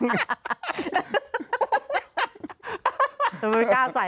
ทำไมไม่กล้าใส่